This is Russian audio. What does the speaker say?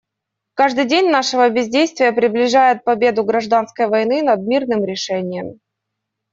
Каждый день нашего бездействия приближает победу гражданской войны над мирным решением.